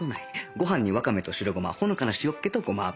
ご飯にわかめと白ゴマほのかな塩っ気とゴマ油